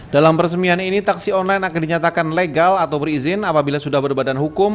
dalam peresmian ini taksi online akan dinyatakan legal atau berizin apabila sudah berbadan hukum